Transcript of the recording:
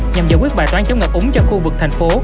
nhằm giải quyết bài toán chống ngập úng cho khu vực thành phố